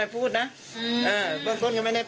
ข้อหน้าได้ใช้แล้วเอาเต้นผ้วย